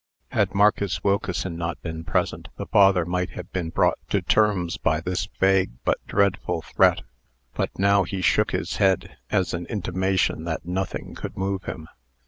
Had Marcus Wilkeson not been present, the father might have been brought to terms by this vague but dreadful threat. But now he shook his head, as an intimation that nothing could move him.